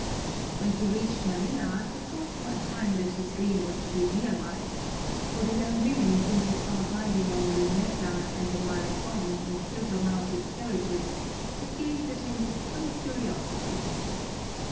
When he reached Manila he thought for a time that his dream was to be realized, for the young women whom he saw driving on the Luneta and the Malecon in silver mounted carriages had gazed at him with some curiosity.